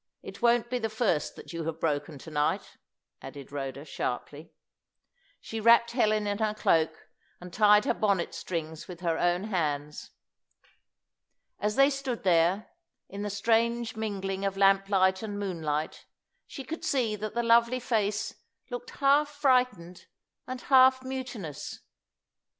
It won't be the first that you have broken to night," added Rhoda, sharply. She wrapped Helen in her cloak, and tied her bonnet strings with her own hands. As they stood there, in the strange mingling of lamplight and moonlight, she could see that the lovely face looked half frightened and half mutinous.